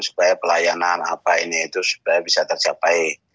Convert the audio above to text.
supaya pelayanan apa ini itu sebenarnya bisa tercapai